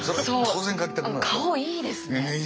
顔いいですね。